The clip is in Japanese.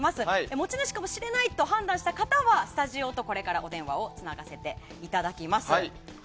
持ち主かもしれないと判断した方はスタジオとこれからお電話をつながせていただきます。